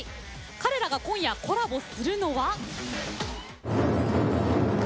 彼らが今夜コラボするのは。